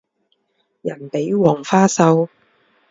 人比黄花瘦